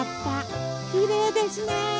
きれいですね。